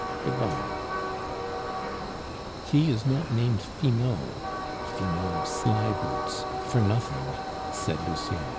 Good bye." "He is not named Finot" (finaud, slyboots) "for nothing," said Lucien.